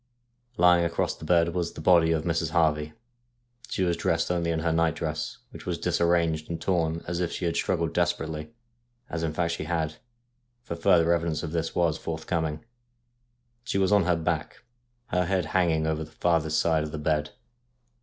Lying across the bed was the body of Mrs. Harvey. She was dressed only in her night dress, which was disarranged and torn as if she had struggled desperately, as in fact she had, for further evidence of this was forthcoming. She was on her back, her head hanging over the farthest side of the bed.